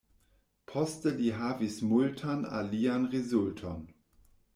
Poste li havis multan alian rezulton.